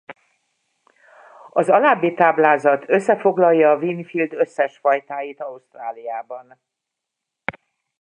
Az alábbi táblázat összefoglalja a Winfield összes fajtáit Ausztráliában.